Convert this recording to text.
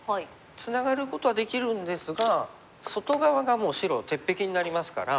ツナがることはできるんですが外側がもう白鉄壁になりますから。